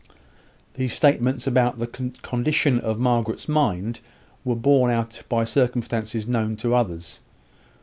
These statements about the condition of Margaret's mind were borne out by circumstances known to others.